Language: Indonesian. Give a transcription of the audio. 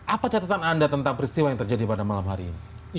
apa catatan anda tentang peristiwa yang terjadi pada malam hari ini